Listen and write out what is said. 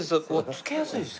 つけやすいです